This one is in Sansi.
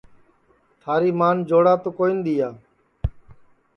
تھاری مان جوڑا تو کون دؔیا